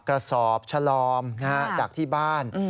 ปรับกระสอบชลอมจากที่บ้าน